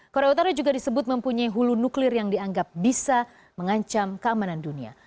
korea utara juga disebut mempunyai hulu nuklir yang dianggap bisa mengancam keamanan dunia